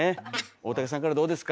大竹さんからどうですか？